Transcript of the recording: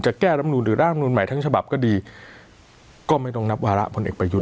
แก้รำนูนหรือร่างลำนูลใหม่ทั้งฉบับก็ดีก็ไม่ต้องนับวาระพลเอกประยุทธ์